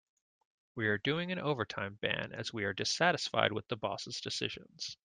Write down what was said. We are doing an overtime ban as we are dissatisfied with the boss' decisions.